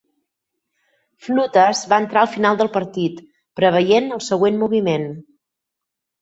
Flutes va entra al final del partit, preveient el següent moviment.